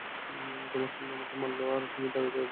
তোমার সামনে ও আমাকে মারলো, আর তুমি দাঁড়িয়ে দাঁড়িয়ে দেখলে।